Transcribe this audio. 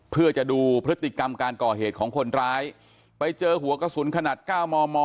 เพื่อจะดูพฤติกรรมการก่อเหตุของคนร้ายไปเจอหัวกระสุนขนาด๙มม